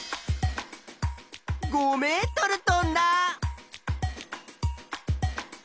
５ｍ飛んだ！